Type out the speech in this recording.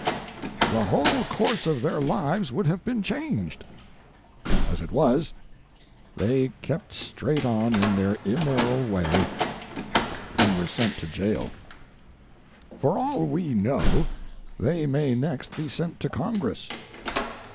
The whole course of their lives would have been changed. As it was, they kept straight on in their immoral way and were sent to jail. For all we know, they may next be sent to Congress.